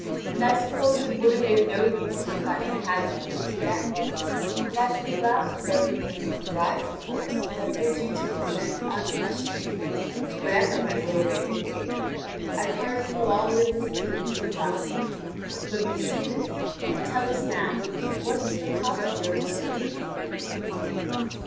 And I suppose it would have been no use, if I had had you put to death. But I should be glad to learn whence you derive the force that bids you to consent unquestioningly to whatever my will may dictate. I pardon you all your misdeeds and crimes. But be seated, and tell us now what is the cause of your docility?"